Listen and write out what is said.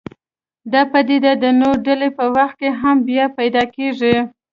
دا پدیده د نوې ډلې په وخت کې هم بیا پیدا کېږي.